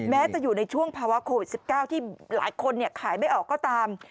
แม้จะอยู่ในช่วงภาวะโควิด๑๙ที่หลายคนขายไม่ออกก็ตาม